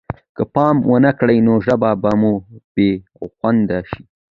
که پام ونه کړو نو ژبه به مو بې خونده شي.